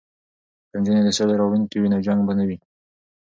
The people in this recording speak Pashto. که نجونې د سولې راوړونکې وي نو جنګ به نه وي.